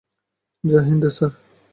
Joy Hind, sir.